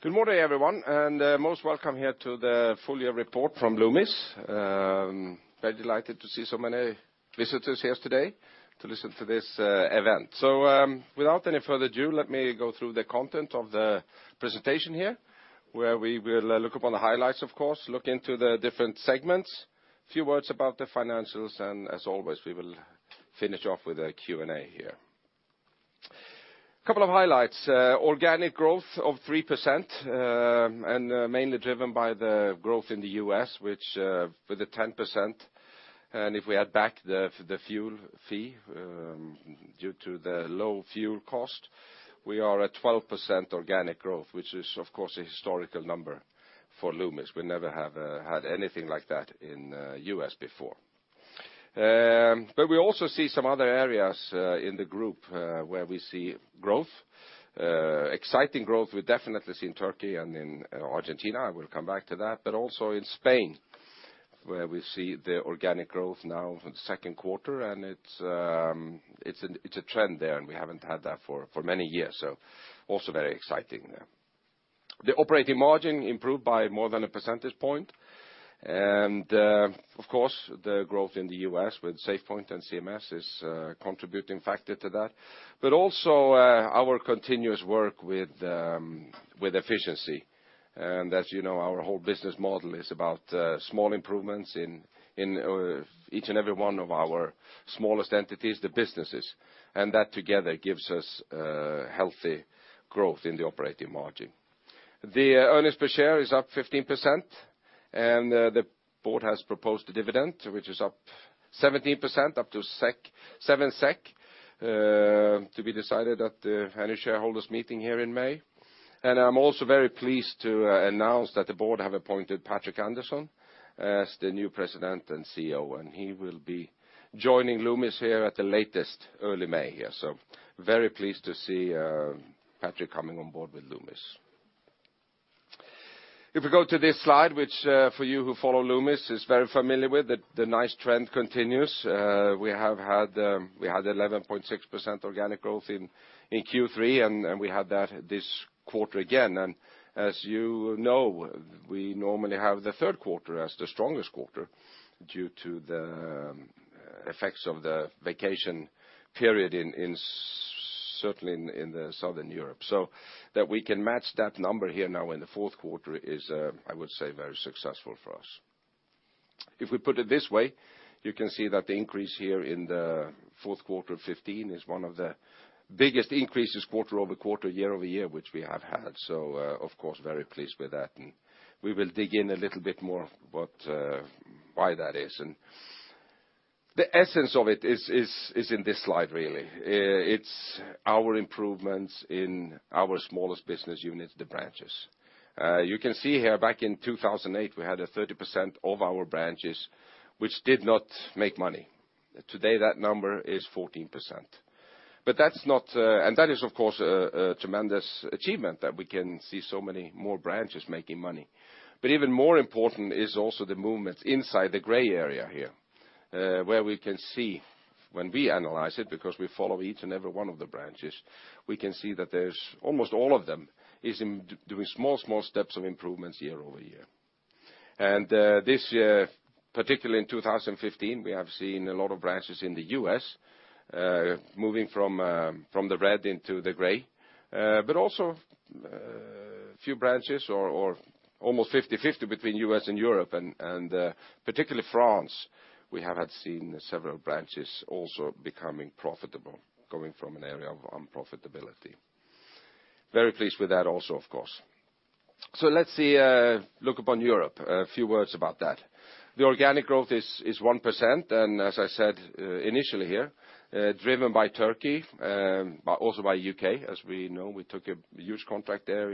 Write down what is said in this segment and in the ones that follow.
Good morning, everyone, most welcome here to the full year report from Loomis. Very delighted to see so many visitors here today to listen to this event. Without any further ado, let me go through the content of the presentation here, where we will look upon the highlights, of course, look into the different segments, few words about the financials, as always, we will finish off with a Q&A here. Couple of highlights. Organic growth of 3%, mainly driven by the growth in the U.S., which for the 10%, if we add back the fuel fee due to the low fuel cost, we are at 12% organic growth, which is, of course, a historical number for Loomis. We never have had anything like that in U.S. before. We also see some other areas in the group where we see growth. Exciting growth we definitely see in Turkey and in Argentina. I will come back to that. Also in Spain, where we see the organic growth now for the second quarter, it's a trend there, we haven't had that for many years, also very exciting there. The operating margin improved by more than a percentage point. Of course, the growth in the U.S. with SafePoint and CMS is a contributing factor to that, also our continuous work with efficiency. As you know, our whole business model is about small improvements in each and every one of our smallest entities, the businesses. That together gives us a healthy growth in the operating margin. The earnings per share is up 15%, the board has proposed a dividend which is up 17%, up to 7 SEK, to be decided at the annual shareholders meeting here in May. I am also very pleased to announce that the board have appointed Patrik Andersson as the new President and CEO, he will be joining Loomis here at the latest early May here. Very pleased to see Patrik coming on board with Loomis. If we go to this slide, which for you who follow Loomis is very familiar with, the nice trend continues. We had 11.6% organic growth in Q3, we had that this quarter again. As you know, we normally have the third quarter as the strongest quarter due to the effects of the vacation period certainly in Southern Europe. That we can match that number here now in the fourth quarter is, I would say, very successful for us. If we put it this way, you can see that the increase here in the fourth quarter of 2015 is one of the biggest increases quarter-over-quarter, year-over-year, which we have had. Of course, very pleased with that, we will dig in a little bit more why that is. The essence of it is in this slide, really. It's our improvements in our smallest business units, the branches. You can see here back in 2008, we had a 30% of our branches which did not make money. Today, that number is 14%. That is, of course, a tremendous achievement that we can see so many more branches making money. Even more important is also the movements inside the gray area here where we can see when we analyze it, because we follow each and every one of the branches, we can see that almost all of them are doing small steps of improvements year-over-year. This year, particularly in 2015, we have seen a lot of branches in the U.S. moving from the red into the gray. Also a few branches or almost 50/50 between the U.S. and Europe and particularly France, we have seen several branches also becoming profitable, going from an area of unprofitability. Very pleased with that also of course. Let's look upon Europe, a few words about that. The organic growth is 1%, and as I said initially here, driven by Turkey, but also by U.K. As we know, we took a huge contract there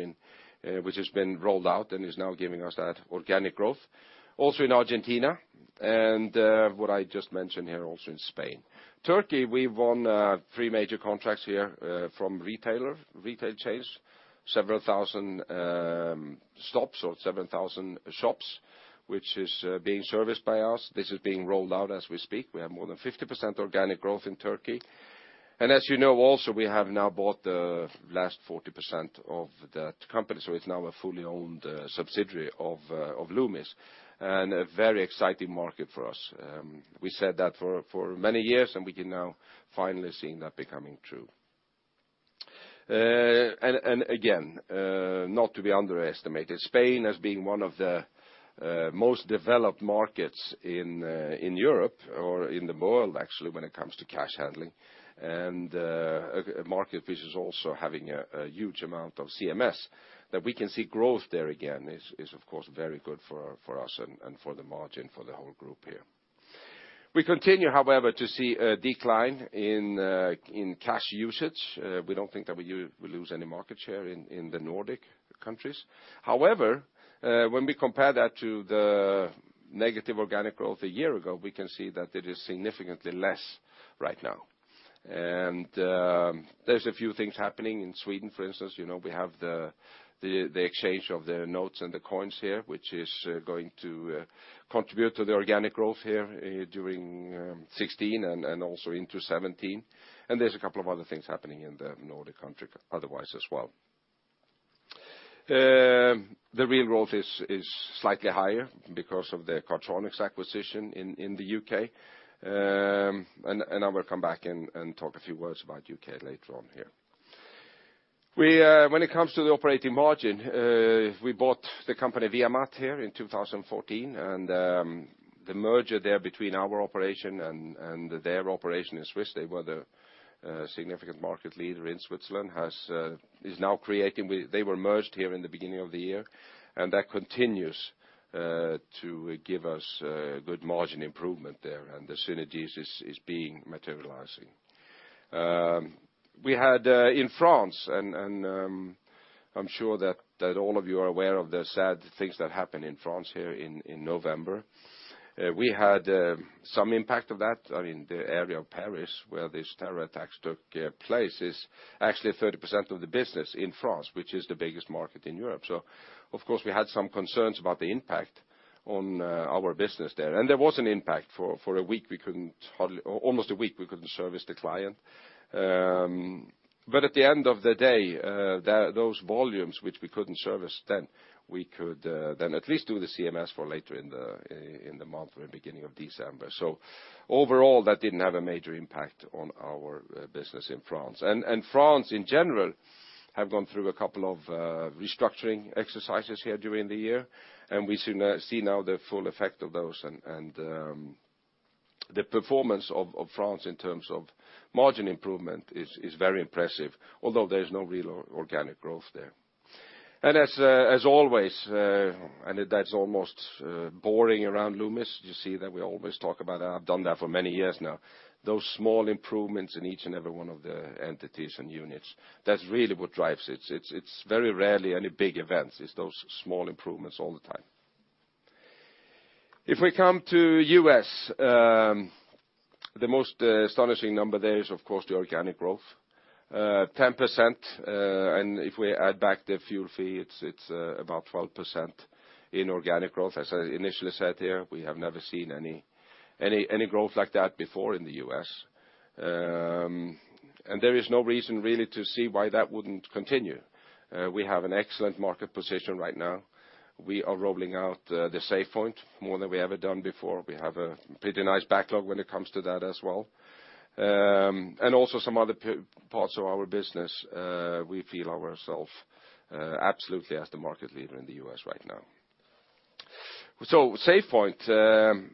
which has been rolled out and is now giving us that organic growth. Also in Argentina and what I just mentioned here also in Spain. Turkey, we won three major contracts here from retail chains, several thousand stops or 7,000 shops, which is being serviced by us. This is being rolled out as we speak. We have more than 50% organic growth in Turkey. As you know also, we have now bought the last 40% of that company, so it's now a fully owned subsidiary of Loomis and a very exciting market for us. We said that for many years, and we can now finally seeing that become true. Again, not to be underestimated, Spain as being one of the most developed markets in Europe or in the world, actually, when it comes to cash handling, and a market which is also having a huge amount of CMS. That we can see growth there again is of course very good for us and for the margin for the whole group here. We continue, however, to see a decline in cash usage. We do not think that we lose any market share in the Nordic countries. However, when we compare that to the negative organic growth a year ago, we can see that it is significantly less right now. There's a few things happening in Sweden, for instance. We have the exchange of the notes and the coins here, which is going to contribute to the organic growth here during 2016 and also into 2017. There's a couple of other things happening in the Nordic country otherwise as well. The real growth is slightly higher because of the Cardtronics acquisition in the U.K. I will come back and talk a few words about U.K. later on here. When it comes to the operating margin, we bought the company VIA MAT here in 2014 and the merger there between our operation and their operation in Switzerland, they were the significant market leader in Switzerland, they were merged here in the beginning of the year, and that continues to give us good margin improvement there and the synergies are being materialized. I'm sure that all of you are aware of the sad things that happened in France here in November. We had some impact of that in the area of Paris where these terror attacks took place is actually 30% of the business in France, which is the biggest market in Europe. Of course, we had some concerns about the impact on our business there. There was an impact. For almost a week, we couldn't service the client. At the end of the day, those volumes which we couldn't service then, we could then at least do the CMS for later in the month or beginning of December. Overall, that didn't have a major impact on our business in France. France in general have gone through a couple of restructuring exercises here during the year, and we see now the full effect of those and the performance of France in terms of margin improvement is very impressive, although there's no real organic growth there. As always, and that's almost boring around Loomis, you see that we always talk about that. I've done that for many years now. Those small improvements in each and every one of the entities and units, that's really what drives it. It's very rarely any big events. It's those small improvements all the time. If we come to U.S., the most astonishing number there is of course the organic growth, 10%. If we add back the fuel fee, it's about 12% inorganic growth. As I initially said here, we have never seen any growth like that before in the U.S. There is no reason really to see why that wouldn't continue. We have an excellent market position right now. We are rolling out the SafePoint more than we ever done before. We have a pretty nice backlog when it comes to that as well. Also some other parts of our business we feel ourself absolutely as the market leader in the U.S. right now. SafePoint,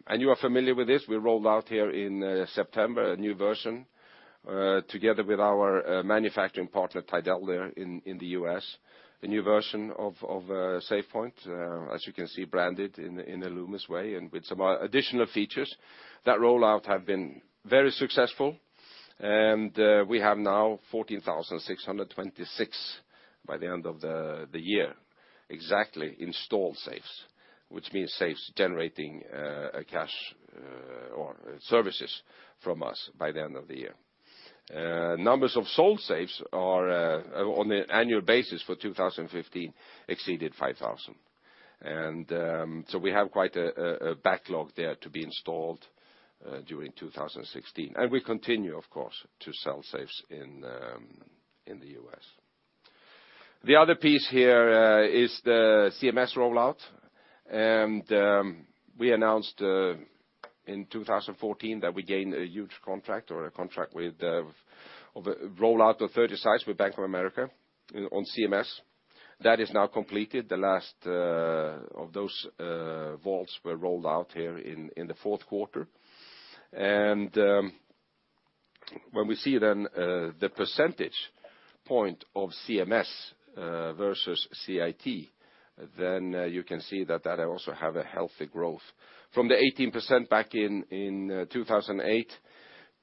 and you are familiar with this, we rolled out here in September a new version together with our manufacturing partner, Tidel, there in the U.S. A new version of SafePoint as you can see, branded in the Loomis way and with some additional features. That rollout have been very successful and we have now 14,626 by the end of the year exactly installed safes which means safes generating cash or services from us by the end of the year. Numbers of sold safes are on an annual basis for 2015 exceeded 5,000. We have quite a backlog there to be installed during 2016. We continue of course to sell safes in the U.S. The other piece here is the CMS rollout. We announced in 2014 that we gained a huge contract or a contract with the rollout of 30 sites with Bank of America on CMS. That is now completed. The last of those vaults were rolled out here in the fourth quarter. When we see then the percentage point of CMS versus CIT, then you can see that that also have a healthy growth from the 18% back in 2008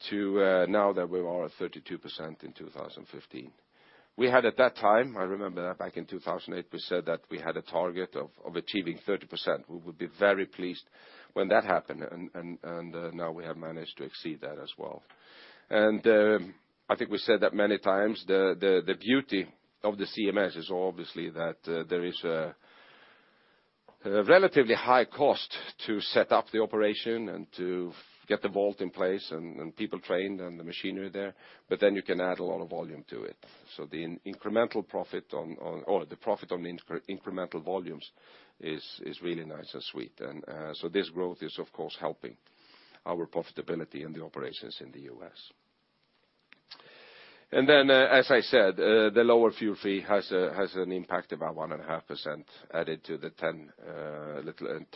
to now that we are 32% in 2015. We had at that time, I remember that back in 2008, we said that we had a target of achieving 30%. We would be very pleased when that happened and now we have managed to exceed that as well. I think we said that many times the beauty of the CMS is obviously that there is a relatively high cost to set up the operation and to get the vault in place and people trained and the machinery there, but you can add a lot of volume to it. The profit on incremental volumes is really nice and sweet. This growth is of course helping our profitability and the operations in the U.S. As I said, the lower fuel fee has an impact about 1.5% added to the 10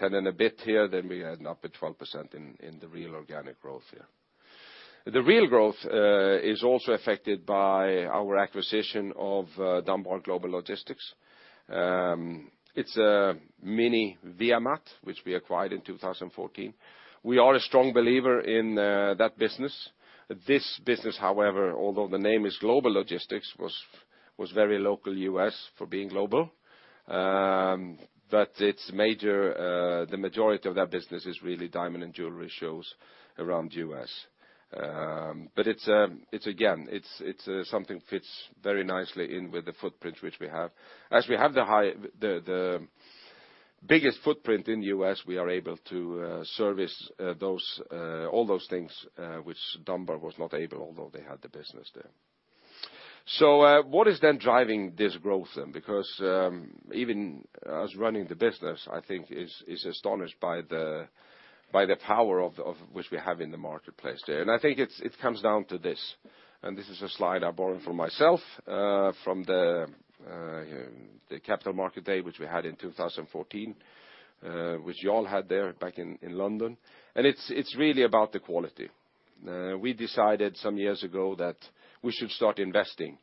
and a bit here. We end up at 12% in the real organic growth here. The real growth is also affected by our acquisition of Dunbar Global Logistics. It's a mini VIA MAT which we acquired in 2014. We are a strong believer in that business. This business however, although the name is Global Logistics, was very local U.S. for being global. The majority of that business is really diamond and jewelry shows around U.S. Again, it's something fits very nicely in with the footprint which we have. As we have the biggest footprint in U.S., we are able to service all those things which Dunbar was not able, although they had the business there. What is then driving this growth then? Because even us running the business, I think is astonished by the power of which we have in the marketplace there. I think it comes down to this, and this is a slide I borrowed from myself from the Capital Market Day, which we had in 2014, which y'all had there back in London. It's really about the quality. We decided some years ago that we should start investing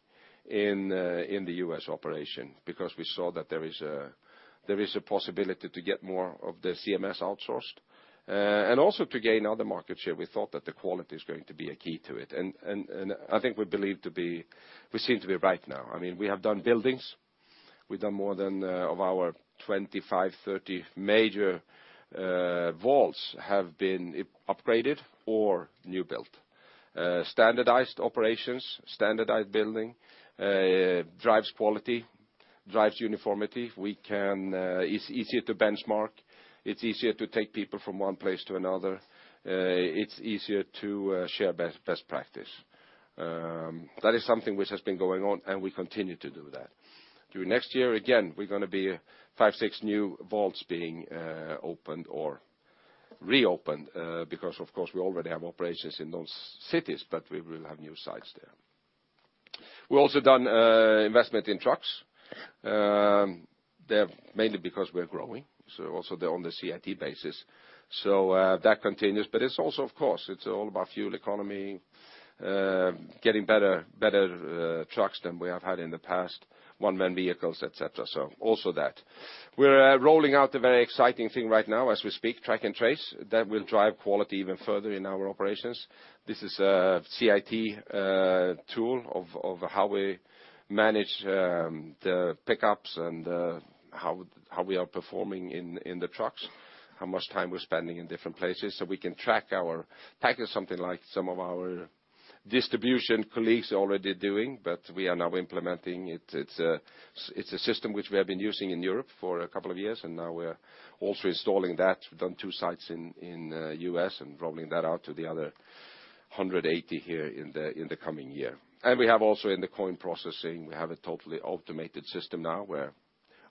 in the U.S. operation because we saw that there is a possibility to get more of the CMS outsourced. Also to gain other market share, we thought that the quality is going to be a key to it. I think we seem to be right now. We have done buildings. We've done more than of our 25, 30 major vaults have been upgraded or new built. Standardized operations, standardized building, drives quality, drives uniformity. It's easier to benchmark. It's easier to take people from one place to another. It's easier to share best practice. That is something which has been going on and we continue to do that. Through next year, again, we're going to be five, six new vaults being opened or reopened because of course we already have operations in those cities, but we will have new sites there. We also done investment in trucks. They're mainly because we're growing, also they're on the CIT basis. That continues. It's also, of course, it's all about fuel economy, getting better trucks than we have had in the past, one-man vehicles, et cetera. Also that. We're rolling out a very exciting thing right now as we speak, Track and Trace, that will drive quality even further in our operations. This is a CIT tool of how we manage the pickups and how we are performing in the trucks, how much time we're spending in different places so we can track our package, something like some of our distribution colleagues are already doing, but we are now implementing it. It's a system which we have been using in Europe for a couple of years, and now we're also installing that. We've done two sites in U.S. and rolling that out to the other 180 here in the coming year. We have also in the coin processing, we have a totally automated system now where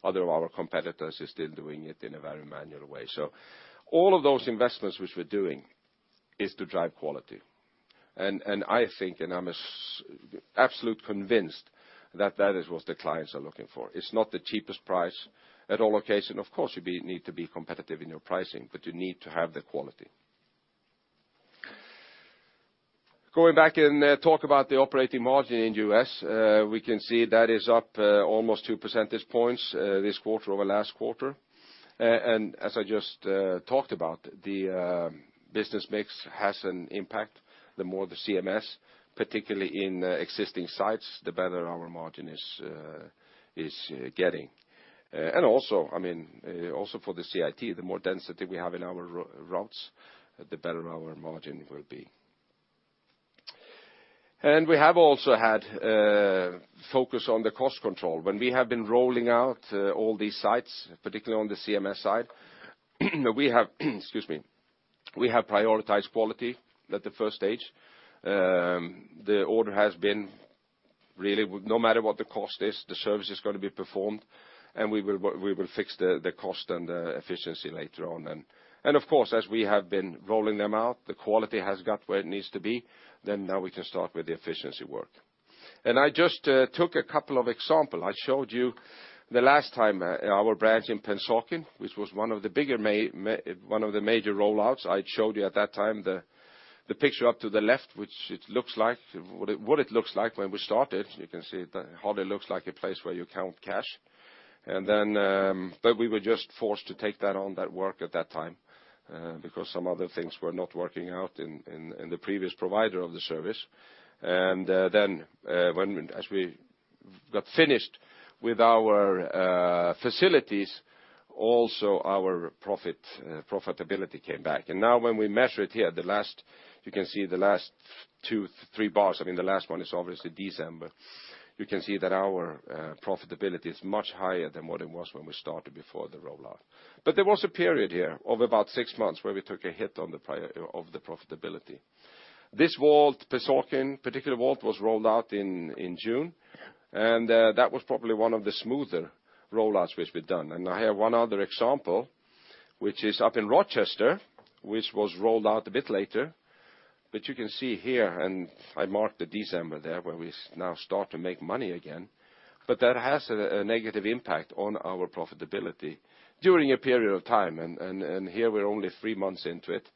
other of our competitors are still doing it in a very manual way. All of those investments which we're doing is to drive quality. I think, and I'm absolute convinced that that is what the clients are looking for. It's not the cheapest price at all location. Of course, you need to be competitive in your pricing, but you need to have the quality. Going back and talk about the operating margin in U.S., we can see that is up almost two percentage points this quarter over last quarter. As I just talked about, the business mix has an impact. The more the CMS, particularly in existing sites, the better our margin is getting. Also for the CIT, the more density we have in our routes, the better our margin will be. We have also had focus on the cost control. When we have been rolling out all these sites, particularly on the CMS side, excuse me. We have prioritized quality at the first stage. The order has been really no matter what the cost is, the service is going to be performed and we will fix the cost and efficiency later on. Of course, as we have been rolling them out, the quality has got where it needs to be, then now we can start with the efficiency work. I just took a couple of example. I showed you the last time our branch in Pennsauken, which was one of the major rollouts. I showed you at that time the picture up to the left, what it looks like when we started. You can see it hardly looks like a place where you count cash. We were just forced to take that on that work at that time because some other things were not working out in the previous provider of the service. Then as we got finished with our facilities, also our profitability came back. Now when we measure it here, you can see the last two, three bars. The last one is obviously December. You can see that our profitability is much higher than what it was when we started before the rollout. There was a period here of about six months where we took a hit of the profitability. This vault, Pennsauken particular vault, was rolled out in June, and that was probably one of the smoother rollouts which we've done. I have one other example, which is up in Rochester, which was rolled out a bit later. You can see here, and I marked the December there where we now start to make money again. That has a negative impact on our profitability during a period of time, and here we are only three months into it.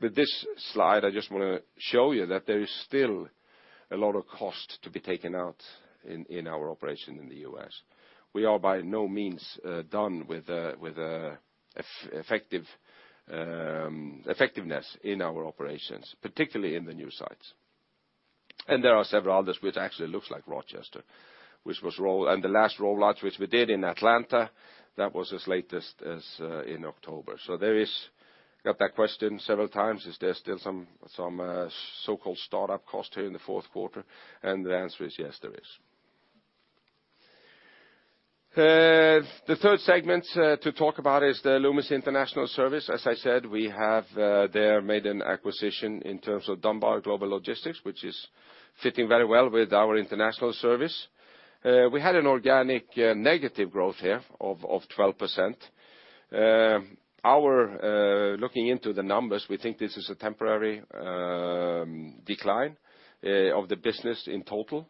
With this slide, I just want to show you that there is still a lot of cost to be taken out in our operation in the U.S. We are by no means done with effectiveness in our operations, particularly in the new sites. There are several others which actually looks like Rochester. The last rollout which we did in Atlanta, that was as late as in October. Got that question several times, is there still some so-called startup cost here in the fourth quarter? The answer is yes, there is. The third segment to talk about is the Loomis International service. As I said, we have there made an acquisition in terms of Dunbar Global Logistics, which is fitting very well with our international service. We had an organic negative growth here of 12%. Looking into the numbers, we think this is a temporary decline of the business in total.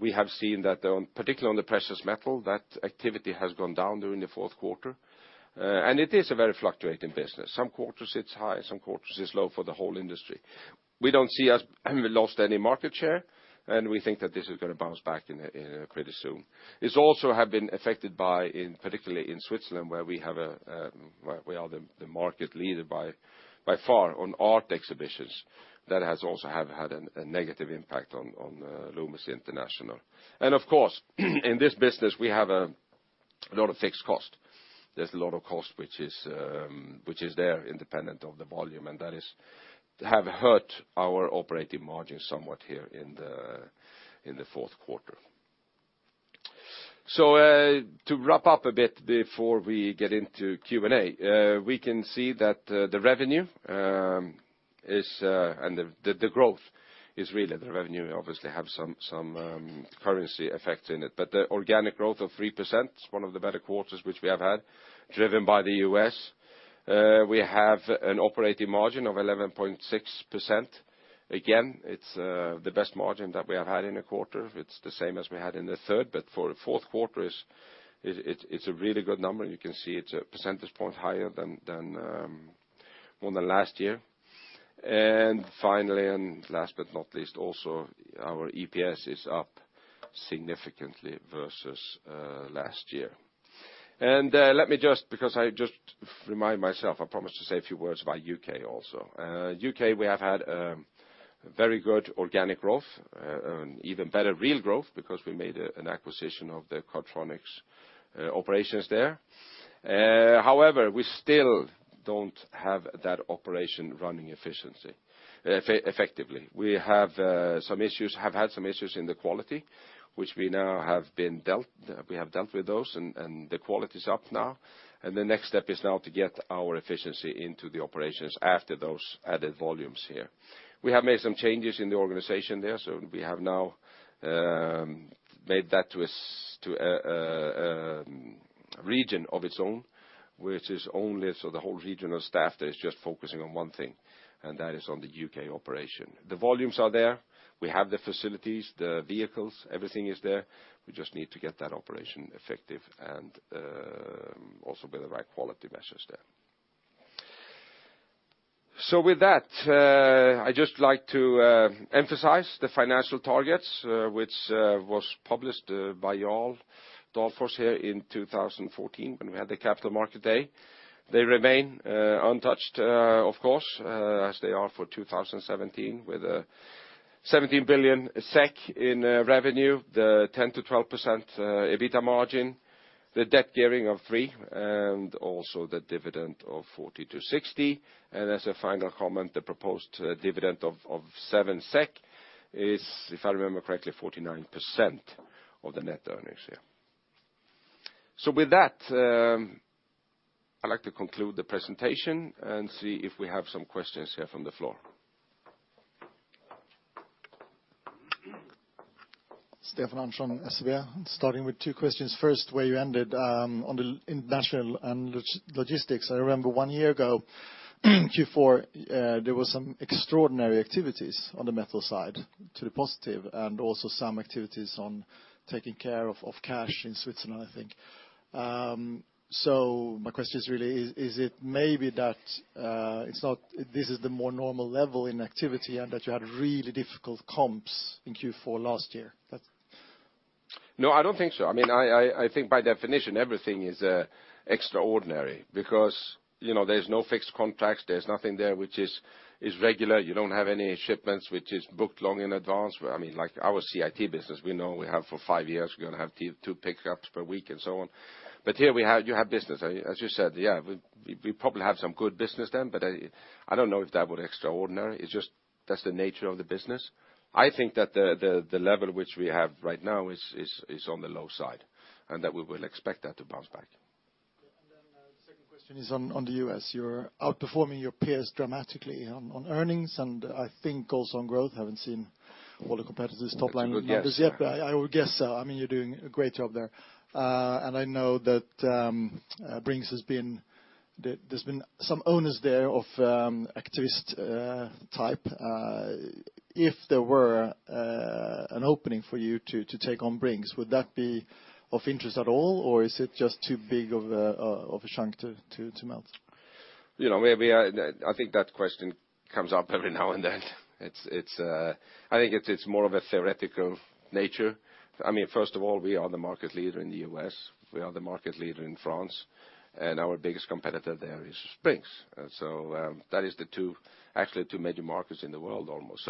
We have seen that particularly on the precious metal, that activity has gone down during the fourth quarter. It is a very fluctuating business. Some quarters it's high, some quarters it's low for the whole industry. We don't see us having lost any market share, and we think that this is going to bounce back pretty soon. It also has been affected particularly in Switzerland, where we are the market leader by far on art exhibitions. That has also had a negative impact on Loomis International. Of course, in this business, we have a lot of fixed cost. There's a lot of cost which is there independent of the volume, and that has hurt our operating margin somewhat here in the fourth quarter. To wrap up a bit before we get into Q&A, we can see that the revenue and the growth is really, the revenue obviously have some currency effect in it. The organic growth of 3%, one of the better quarters which we have had, driven by the U.S. We have an operating margin of 11.6%. Again, it's the best margin that we have had in a quarter. It's the same as we had in the third, but for the fourth quarter it's a really good number. You can see it's a percentage point higher than the last year. Finally, and last but not least, also our EPS is up significantly versus last year. I just remind myself, I promised to say a few words about U.K. also. U.K., we have had very good organic growth, even better real growth because we made an acquisition of the Cardtronics operations there. However, we still don't have that operation running effectively. We have had some issues in the quality, which we now have dealt with those and the quality's up now and the next step is now to get our efficiency into the operations after those added volumes here. We have made some changes in the organization there, so we have now made that to a region of its own, so the whole regional staff there is just focusing on one thing, and that is on the U.K. operation. The volumes are there. We have the facilities, the vehicles, everything is there. We just need to get that operation effective and also with the right quality measures there. With that, I'd just like to emphasize the financial targets, which was published by Jarl Dahlfors here in 2014 when we had the Capital Market Day. They remain untouched, of course, as they are for 2017 with 17 billion SEK in revenue, the 10%-12% EBITDA margin, the debt gearing of three, and also the dividend of 40%-60%. As a final comment, the proposed dividend of 7 SEK is, if I remember correctly, 49% of the net earnings here. With that, I'd like to conclude the presentation and see if we have some questions here from the floor. Stefan Åhron from SEB. Starting with two questions. First, where you ended on the international and logistics. I remember one year ago, Q4, there were some extraordinary activities on the metal side to the positive, and also some activities on taking care of cash in Switzerland, I think. My question is really, is it maybe that this is the more normal level in activity and that you had really difficult comps in Q4 last year? No, I don't think so. I think by definition, everything is extraordinary because there's no fixed contracts, there's nothing there which is regular. You don't have any shipments which is booked long in advance. Like our CIT business, we know we have for five years, we're going to have two pickups per week and so on. Here, you have business. As you said, yeah, we probably have some good business then, but I don't know if that was extraordinary. It's just that's the nature of the business. I think that the level which we have right now is on the low side, and that we will expect that to bounce back. Yeah. The second question is on the U.S. You're outperforming your peers dramatically on earnings and I think also on growth. Haven't seen all the competitors' top line numbers yet. That's a good guess. I would guess so. You're doing a great job there. I know that there's been some owners there of activist type. If there were an opening for you to take on Brink's, would that be of interest at all, or is it just too big of a chunk to melt? I think that question comes up every now and then. I think it's more of a theoretical nature. First of all, we are the market leader in the U.S., we are the market leader in France, and our biggest competitor there is Brink's. That is actually the two major markets in the world almost.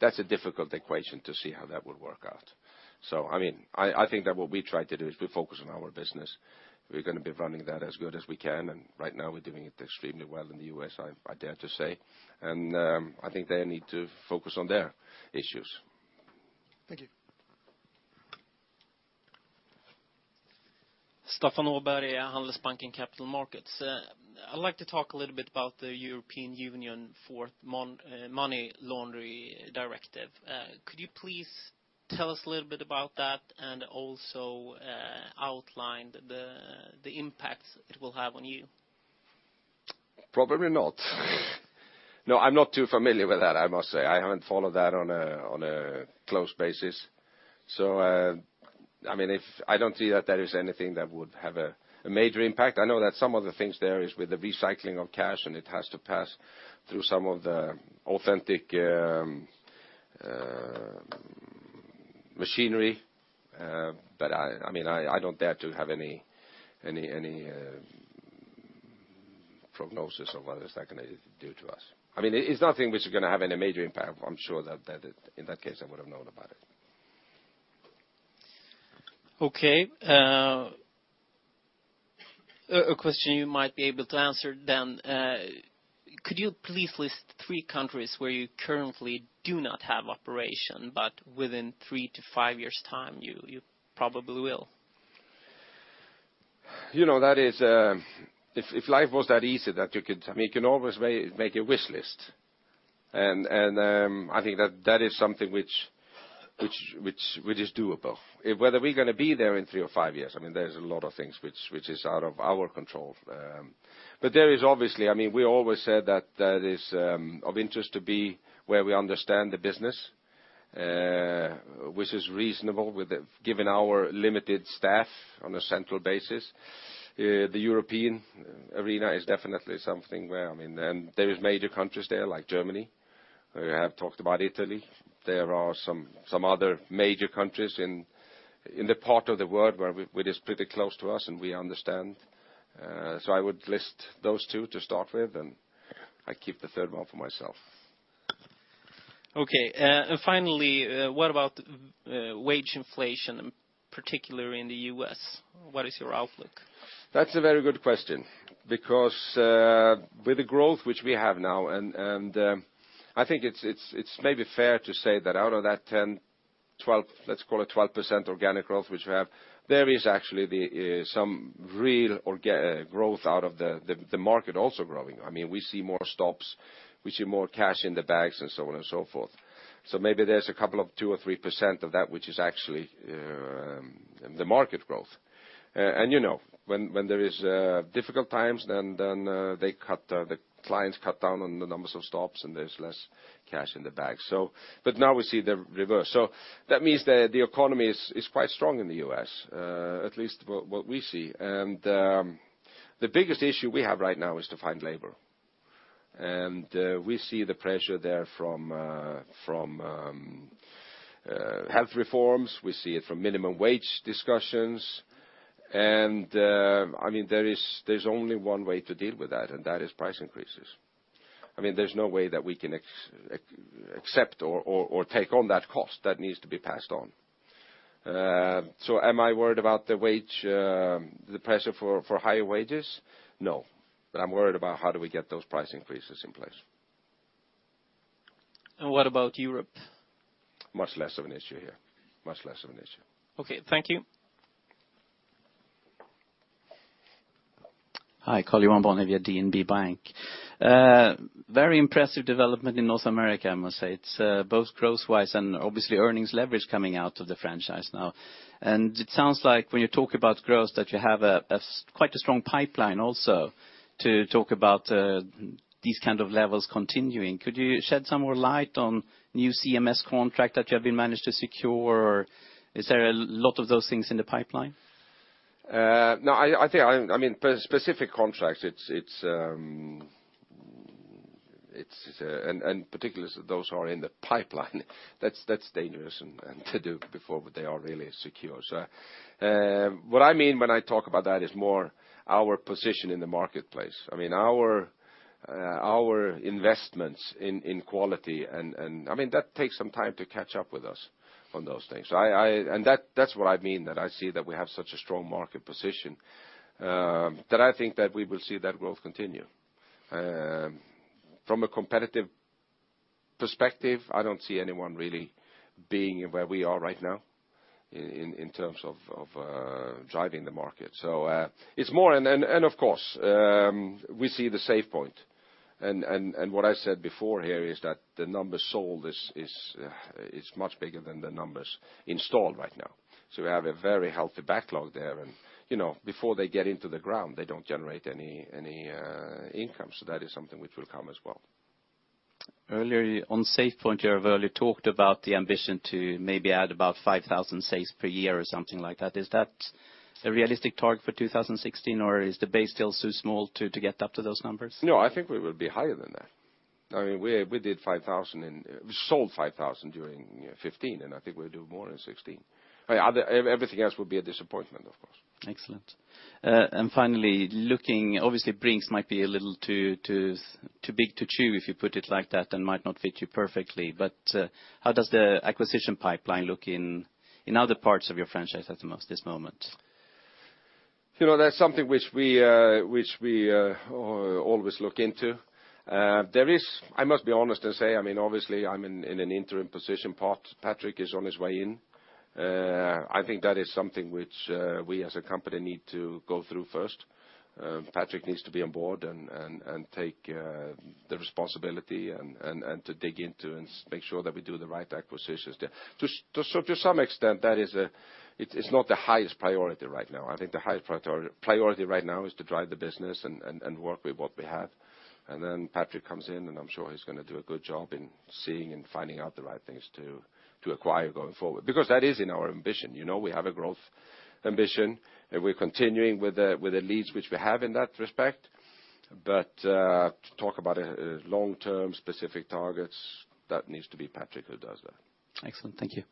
That's a difficult equation to see how that would work out. I think that what we try to do is we focus on our business. We're going to be running that as good as we can, and right now we're doing it extremely well in the U.S., I dare to say. I think they need to focus on their issues. Thank you. Staffan Åberg, Handelsbanken Capital Markets. I'd like to talk a little bit about the European Union Anti-Money Laundering Directive. Could you please tell us a little bit about that, and also outline the impacts it will have on you? Probably not. No, I'm not too familiar with that, I must say. I haven't followed that on a close basis. I don't see that there is anything that would have a major impact. I know that some of the things there is with the recycling of cash, and it has to pass through some of the authentic machinery. I don't dare to have any prognosis of what is that going to do to us. It's nothing which is going to have any major impact. I'm sure that, in that case, I would've known about it. Okay. A question you might be able to answer then. Could you please list three countries where you currently do not have operation, but within three to five years' time, you probably will? If life was that easy. You can always make a wish list. I think that is something which is doable. Whether we're going to be there in three or five years, there's a lot of things which is out of our control. There is obviously, we always said that it is of interest to be where we understand the business, which is reasonable given our limited staff on a central basis. The European arena is definitely something where there is major countries there, like Germany. We have talked about Italy. There are some other major countries in the part of the world where it is pretty close to us and we understand. I would list those two to start with, and I keep the third one for myself. Okay. Finally, what about wage inflation, particularly in the U.S.? What is your outlook? That's a very good question because with the growth which we have now, I think it's maybe fair to say that out of that 10, 12, let's call it 12% organic growth which we have, there is actually some real organic growth out of the market also growing. We see more stops, we see more cash in the bags and so on and so forth. Maybe there's a couple of 2% or 3% of that which is actually the market growth. When there is difficult times, the clients cut down on the numbers of stops and there's less cash in the bag. Now we see the reverse. That means the economy is quite strong in the U.S., at least what we see. The biggest issue we have right now is to find labor. We see the pressure there from health reforms, we see it from minimum wage discussions. There's only one way to deal with that is price increases. There's no way that we can accept or take on that cost. That needs to be passed on. Am I worried about the pressure for higher wages? No. I'm worried about how do we get those price increases in place. What about Europe? Much less of an issue here. Much less of an issue. Okay. Thank you. Hi, Karl-Johan Bonnevier, DNB Bank. Very impressive development in North America, I must say. It is both growth-wise and obviously earnings leverage coming out of the franchise now. It sounds like when you talk about growth, that you have quite a strong pipeline also to talk about these kind of levels continuing. Could you shed some more light on new CMS contract that you have been managed to secure? Is there a lot of those things in the pipeline? No. Specific contracts, and particularly those who are in the pipeline, that is dangerous to do before they are really secure. What I mean when I talk about that is more our position in the marketplace. Our investments in quality, that takes some time to catch up with us on those things. That is what I mean, that I see that we have such a strong market position, that I think that we will see that growth continue. From a competitive perspective, I do not see anyone really being where we are right now in terms of driving the market. It is more, and of course, we see the SafePoint. What I said before here is that the numbers sold is much bigger than the numbers installed right now. We have a very healthy backlog there, and before they get into the ground, they do not generate any income. That is something which will come as well. Earlier on SafePoint, you have earlier talked about the ambition to maybe add about 5,000 safes per year or something like that. Is that a realistic target for 2016, or is the base still too small to get up to those numbers? No, I think we will be higher than that. We sold 5,000 during 2015, and I think we will do more in 2016. Everything else will be a disappointment, of course. Excellent. Finally, obviously Brink's might be a little too big to chew, if you put it like that, and might not fit you perfectly. How does the acquisition pipeline look in other parts of your franchise at this moment? That's something which we always look into. I must be honest and say, obviously I'm in an interim position. Patrik is on his way in. I think that is something which we as a company need to go through first. Patrik needs to be on board and take the responsibility, and to dig into and make sure that we do the right acquisitions there. To some extent, it's not the highest priority right now. I think the highest priority right now is to drive the business and work with what we have. Then Patrik comes in, and I'm sure he's going to do a good job in seeing and finding out the right things to acquire going forward. That is in our ambition. We have a growth ambition, and we're continuing with the leads which we have in that respect. To talk about long-term specific targets, that needs to be Patrik who does that. Excellent. Thank you.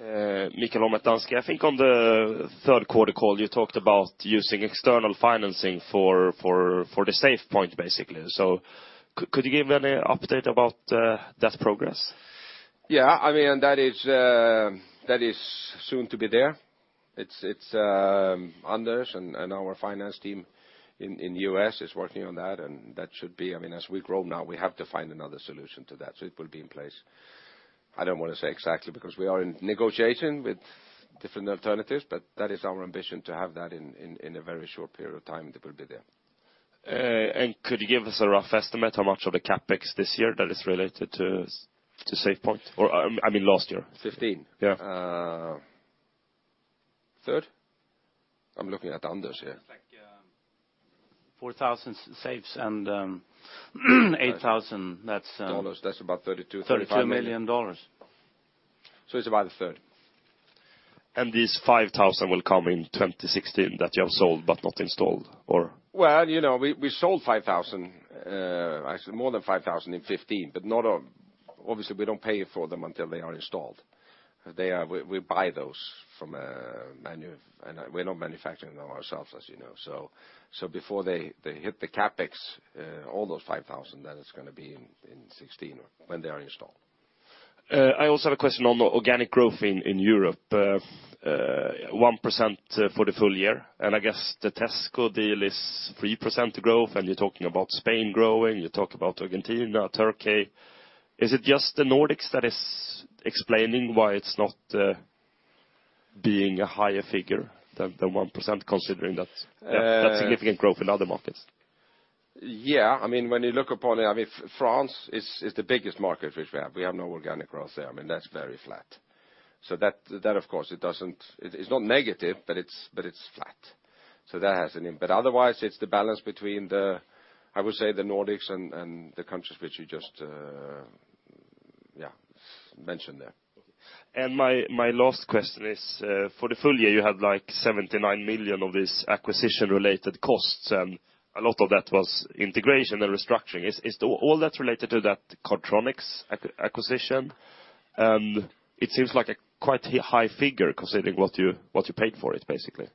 Mikael Ramm, at Danske. I think on the third quarter call, you talked about using external financing for the SafePoint, basically. Could you give any update about that progress? Yeah, that is soon to be there. It's Anders and our finance team in the U.S. is working on that. As we grow now, we have to find another solution to that. It will be in place. I don't want to say exactly because we are in negotiation with different alternatives, but that is our ambition, to have that in a very short period of time, it will be there. Could you give us a rough estimate how much of the CapEx this year that is related to SafePoint? I mean last year. 15. Yeah. Third? I'm looking at Anders here. It's like 4,000 safes and 8,000. Dollars. That's about $32. $32 million. It's about a third. These 5,000 will come in 2016, that you have sold but not installed, or? We sold 5,000, actually more than 5,000 in 2015. Obviously we don't pay for them until they are installed. We buy those from a manufacturer, we're not manufacturing them ourselves, as you know. Before they hit the CapEx, all those 5,000, then it's going to be in 2016 when they are installed. I also have a question on the organic growth in Europe. 1% for the full year, I guess the Tesco deal is 3% growth, you're talking about Spain growing, you talk about Argentina, Turkey. Is it just the Nordics that is explaining why it's not being a higher figure than 1%, considering that significant growth in other markets? When you look upon it, France is the biggest market which we have. We have no organic growth there. That's very flat. That, of course it's not negative, but it's flat. That has an input. Otherwise, it's the balance between the, I would say, the Nordics and the countries which you just mentioned there. My last question is, for the full year, you have 79 million of these acquisition-related costs, a lot of that was integration and restructuring. Is all that related to that Cardtronics acquisition? It seems like a quite high figure considering what you paid for it, basically.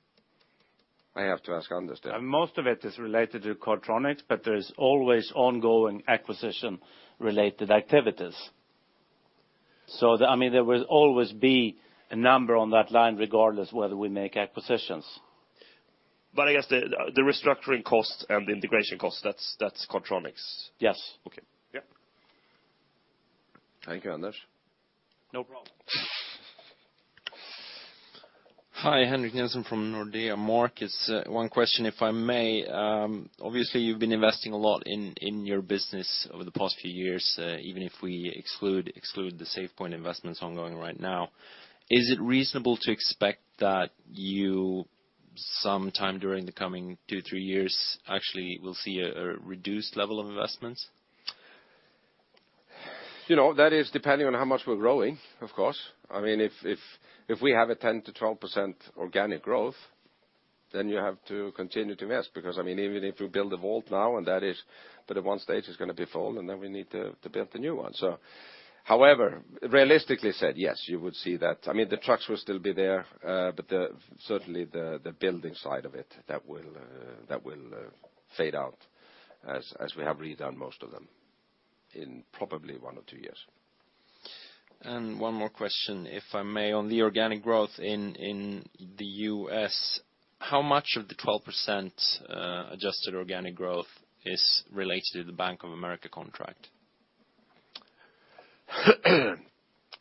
I have to ask Anders that. Most of it is related to Cardtronics, but there's always ongoing acquisition-related activities. There will always be a number on that line regardless whether we make acquisitions. I guess the restructuring costs and the integration costs, that's Cardtronics. Yes. Okay. Yeah. Thank you, Anders. No problem. Hi, Henrik Nilsson from Nordea Markets. One question, if I may. Obviously, you've been investing a lot in your business over the past few years, even if we exclude the SafePoint investments ongoing right now. Is it reasonable to expect that you, sometime during the coming two, three years, actually will see a reduced level of investments? That is depending on how much we're growing, of course. If we have a 10%-12% organic growth, you have to continue to invest. Even if you build a vault now, at one stage, it's going to be full, and we need to build a new one. However, realistically said, yes, you would see that. The trucks will still be there, but certainly the building side of it, that will fade out as we have redone most of them in probably one or two years. One more question, if I may. On the organic growth in the U.S., how much of the 12% adjusted organic growth is related to the Bank of America contract?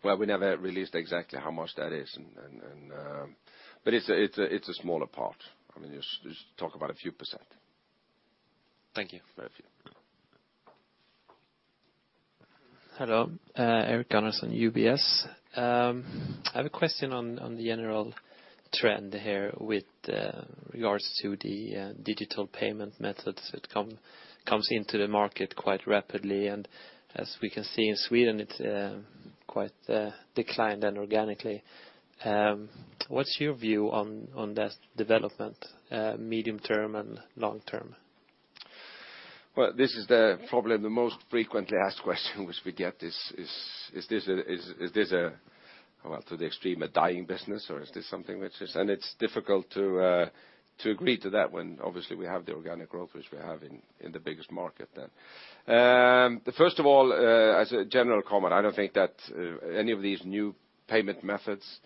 Well, we never released exactly how much that is. It's a smaller part. Just talk about a few %. Thank you. Very few. Hello. Erik Gunnarsson, UBS. I have a question on the general trend here with regards to the digital payment methods. It comes into the market quite rapidly, and as we can see in Sweden, it's quite declined organically. What's your view on that development, medium term and long term? Well, this is the, probably the most frequently asked question which we get is this a, well, to the extreme, a dying business, or is this something. It's difficult to agree to that when obviously we have the organic growth which we have in the biggest market then. First of all, as a general comment, I don't think that any of these new payment methods,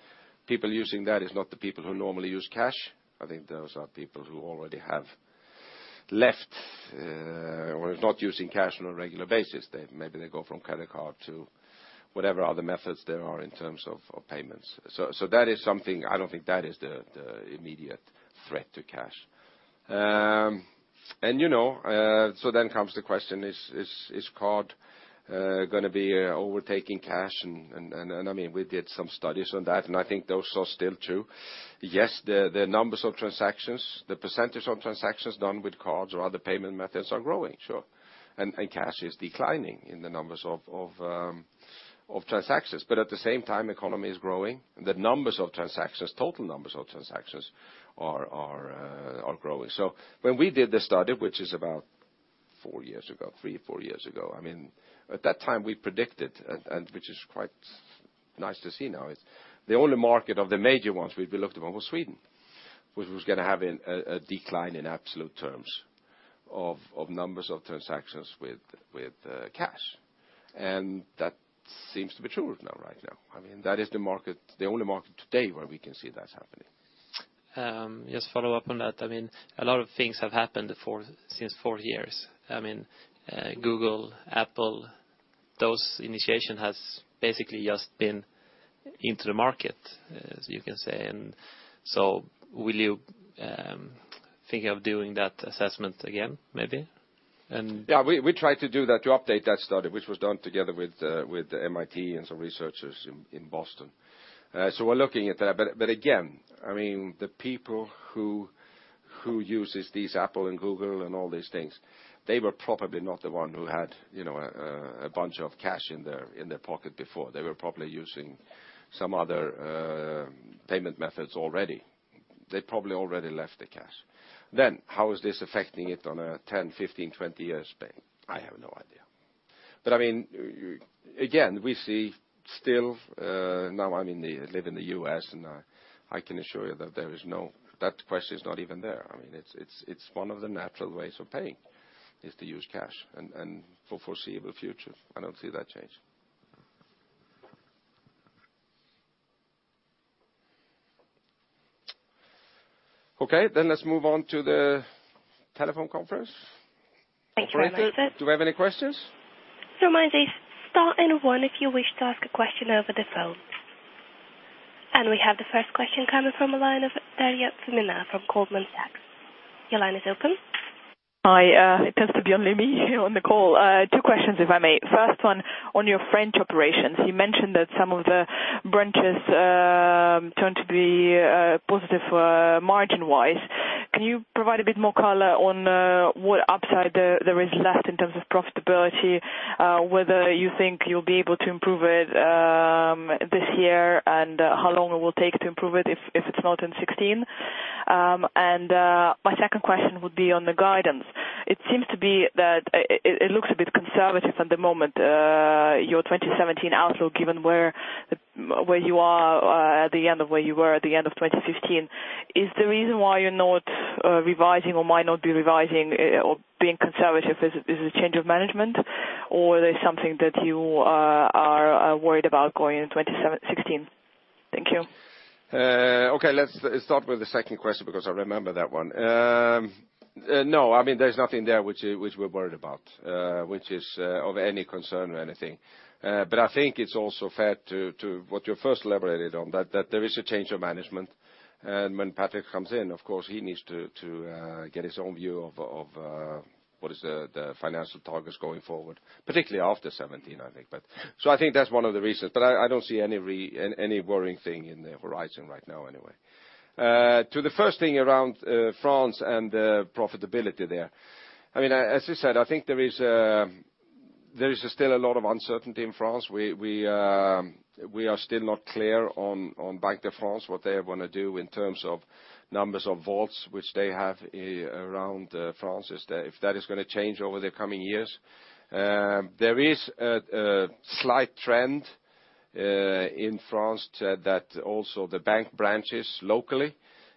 people using that is not the people who normally use cash. I think those are people who already have Left or not using cash on a regular basis. Maybe they go from credit card to whatever other methods there are in terms of payments. I don't think that is the immediate threat to cash. Then comes the question, is card going to be overtaking cash? We did some studies on that, and I think those are still true. Yes, the numbers of transactions, the percentage of transactions done with cards or other payment methods are growing, sure. Cash is declining in the numbers of transactions, but at the same time, economy is growing. The numbers of transactions, total numbers of transactions are growing. When we did the study, which is about three or four years ago, at that time, we predicted, and which is quite nice to see now, is the only market of the major ones we've looked at was Sweden, which was going to have a decline in absolute terms of numbers of transactions with cash. That seems to be true right now. That is the only market today where we can see that happening. Just follow up on that. A lot of things have happened since four years. Google, Apple, those initiation has basically just been into the market, as you can say. Will you think of doing that assessment again, maybe? Yeah, we tried to do that, to update that study, which was done together with MIT and some researchers in Boston. We're looking at that. Again, the people who uses these Apple and Google and all these things, they were probably not the one who had a bunch of cash in their pocket before. They were probably using some other payment methods already. They probably already left the cash. Then how is this affecting it on a 10, 15, 20 years span? I have no idea. Again, we see still now, I live in the U.S. and I can assure you that question is not even there. It's one of the natural ways of paying, is to use cash and for foreseeable future, I don't see that change. Okay, let's move on to the telephone conference. Thank you very much. Operator, do we have any questions? Remind you, star and one if you wish to ask a question over the phone. We have the first question coming from the line of Arianna Simina from Goldman Sachs. Your line is open. Hi, it appears to be only me here on the call. Two questions, if I may. First one, on your French operations, you mentioned that some of the branches turned to be positive margin-wise. Can you provide a bit more color on what upside there is left in terms of profitability, whether you think you'll be able to improve it this year and how long it will take to improve it if it's not in 2016? My second question would be on the guidance. It seems to be that it looks a bit conservative at the moment, your 2017 outlook, given where you are at the end of where you were at the end of 2015. Is the reason why you're not revising or might not be revising or being conservative is the change of management or there's something that you are worried about going in 2016? Thank you. Okay. Let's start with the second question because I remember that one. No, there's nothing there which we're worried about which is of any concern or anything. I think it's also fair to what you first elaborated on, that there is a change of management. When Patrik comes in, of course, he needs to get his own view of what is the financial targets going forward, particularly after 2017, I think. I think that's one of the reasons, but I don't see any worrying thing in the horizon right now anyway. To the first thing around France and profitability there, as I said, I think there is still a lot of uncertainty in France. We are still not clear on Bank of France, what they want to do in terms of numbers of vaults which they have around France, if that is going to change over the coming years. There is a slight trend in France that also the bank branches locally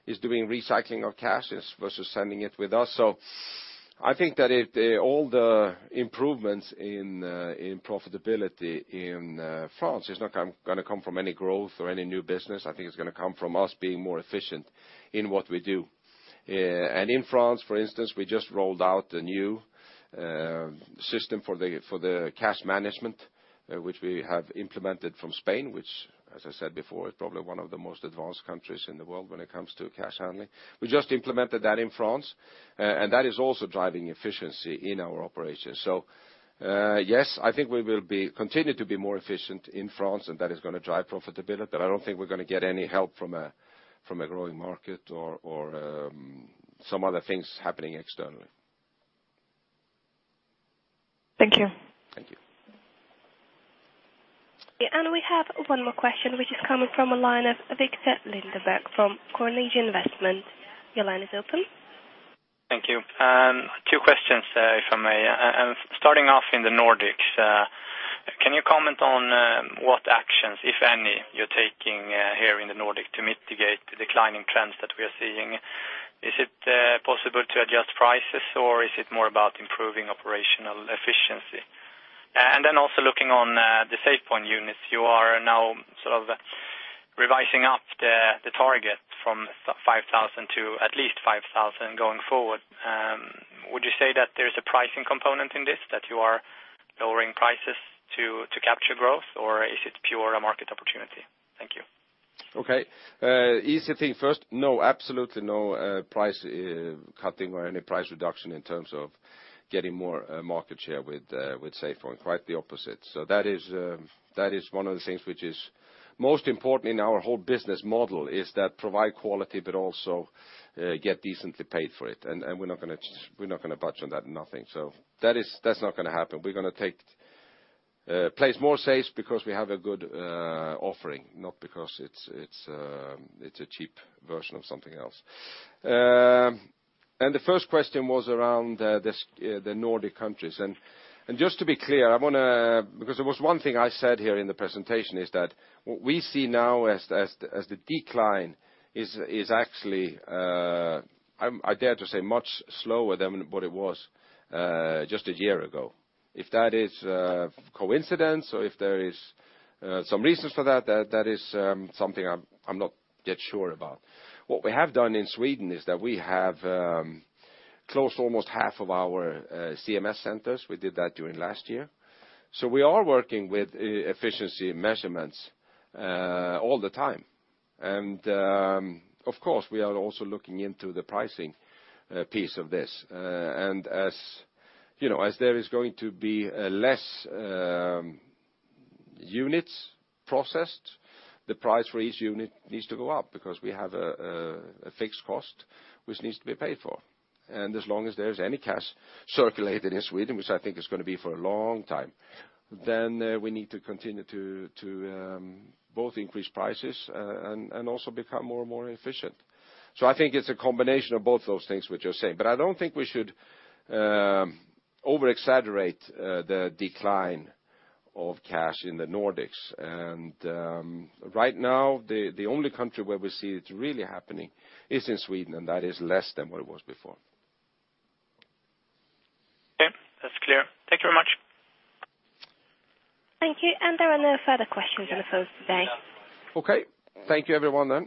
is doing recycling of cash versus sending it with us. I think that all the improvements in profitability in France is not going to come from any growth or any new business. I think it's going to come from us being more efficient in what we do. In France, for instance, we just rolled out a new system for the cash management, which we have implemented from Spain, which as I said before, is probably one of the most advanced countries in the world when it comes to cash handling. We just implemented that in France, and that is also driving efficiency in our operations. Yes, I think we will continue to be more efficient in France, and that is going to drive profitability, but I don't think we're going to get any help from a growing market or some other things happening externally. Thank you. Thank you. We have one more question which is coming from a line of Viktor Lindeberg from Carnegie Investment Bank. Your line is open. Thank you. Two questions, if I may. Starting off in the Nordics, can you comment on what actions, if any, you're taking here in the Nordic to mitigate the declining trends that we are seeing? Is it possible to adjust prices or is it more about improving operational efficiency? Then also looking on the SafePoint units, you are now revising up the target from 5,000 to at least 5,000 going forward. Would you say that there's a pricing component in this that you are lowering prices to capture growth, or is it pure a market opportunity? Thank you. Okay. Easy thing first. Absolutely no price cutting or any price reduction in terms of getting more market share with SafePoint. Quite the opposite. That is one of the things which is most important in our whole business model, is that provide quality but also get decently paid for it. We're not going to budge on that, nothing. That's not going to happen. We're going to place more safes because we have a good offering, not because it's a cheap version of something else. The first question was around the Nordic countries. Just to be clear, because there was one thing I said here in the presentation is that what we see now as the decline is actually, I dare to say, much slower than what it was just a year ago. If that is a coincidence or if there is some reasons for that is something I'm not yet sure about. What we have done in Sweden is that we have closed almost half of our CMS centers. We did that during last year. We are working with efficiency measurements all the time. Of course, we are also looking into the pricing piece of this. As there is going to be less units processed, the price for each unit needs to go up because we have a fixed cost which needs to be paid for. As long as there's any cash circulating in Sweden, which I think is going to be for a long time, we need to continue to both increase prices and also become more and more efficient. I think it's a combination of both those things which you're saying. I don't think we should over exaggerate the decline of cash in the Nordics. Right now the only country where we see it really happening is in Sweden, and that is less than what it was before. Okay. That's clear. Thank you very much. Thank you. There are no further questions on the phone today. Okay. Thank you everyone then.